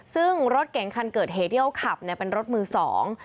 ซึ่งรถเก่งคันเกิดเหตุที่เขาขับเนี่ยเป็นรถมือสอง